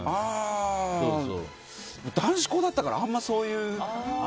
男子校だったからあんまりそういう。